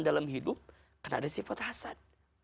dalam hidup karena ada sifat hasad